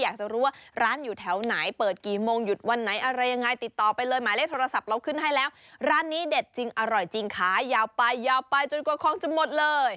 ขายาวไปจนกว่าข้องจะหมดเลย